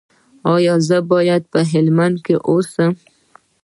ایا زه باید په هلمند کې اوسم؟